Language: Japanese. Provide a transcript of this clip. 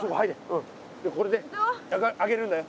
うんこれで上げるんだよ。